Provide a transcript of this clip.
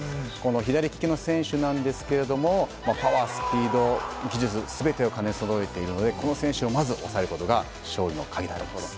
左利きの選手なんですけどパワー、スピード技術全てを兼ねそろえているのでこの選手を抑えることが勝利の鍵です。